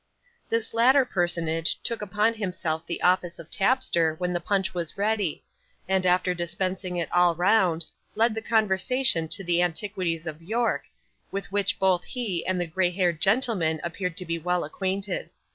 This latter personage took upon himself the office of tapster when the punch was ready, and after dispensing it all round, led the conversation to the antiquities of York, with which both he and the grey haired gentleman appeared to be well acquainted.